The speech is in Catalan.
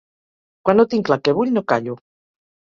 Quan no tinc clar què vull no callo.